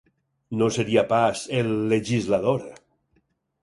No seria pas "El legislador"?